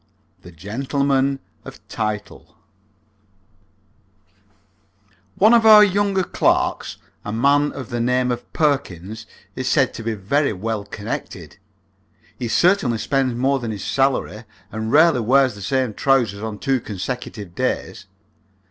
THE GENTLEMAN OF TITLE One of our younger clerks, a man of the name of Perkins, is said to be very well connected. He certainly spends more than his salary, and rarely wears the same trousers on two consecutive days.